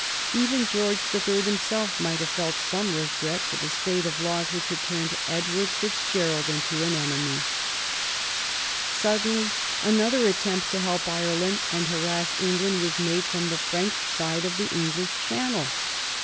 Even George the Third himself might have felt some regret for the state of laws which had turned Edward Fitzgerald into an enemy. [Sidenote: 1798 Ireland invaded by General Humbert] Suddenly another attempt to help Ireland and harass England was made from the French side of the English Channel.